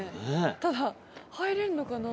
ただ入れんのかな？